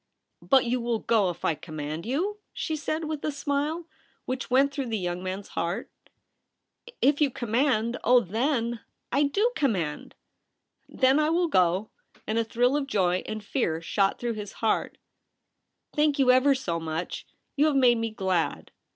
' But you wull go if I command you ?' she said, with a smile which went through the young man's heart. * If you command — oh, then '* I do command.' ' Then I will go ;' and a thrill of joy and fear shot through his heart. 296 THE REBEL ROSE. ' Thank you ever so much ; you have made me glad.